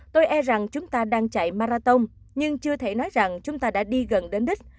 tôi e rằng chúng ta đang chạy marathon nhưng chưa thể nói rằng chúng ta đã đi gần đến đích